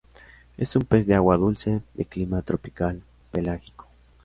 Es un pez de agua dulce, de clima tropical pelágico.